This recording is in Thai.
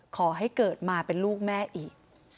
ขอให้เกิดมาเป็นลูกแม่อีก